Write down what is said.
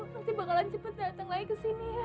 nanti bakalan cepat datang lagi ke sini ya